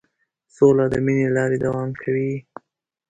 سوله د مینې له لارې دوام کوي.